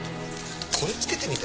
これつけてみたら？